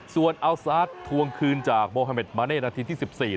ส่วนอัลซาฮักร์ทวงคืนจากโมฮาเมดบาเน่นัทธิ๑๔